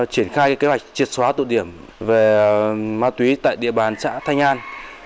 triển khai kế hoạch triệt xóa tụi điểm về ma túy tại địa bàn xã thanh an